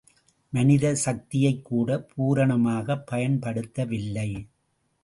மனித சக்தியைக் கூட பூரணமாகப் பயன்படுத்தவில்லை.